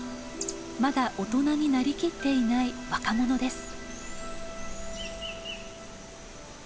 まだ大人になりきっていない若者です。